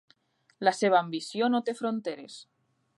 La seva ambició no té fronteres.